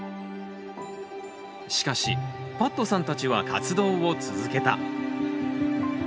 しかしパットさんたちは活動を続けた。